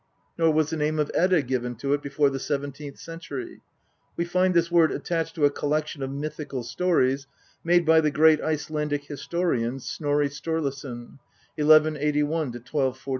Nor was the name of Edda given to it before the seven teenth century : we find this word attached to a collection of mythical stories made by the great Icelandic historian, Snorri Sturluson (1181 1241).